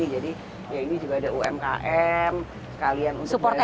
jadi ya ini juga ada umkm sekalian untuk belajar